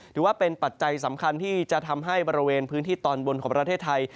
ถือว่าเป็นปัจจัยสำคัญที่จะทำให้บริเวณพื้นที่ตอนบนของประเทศไทย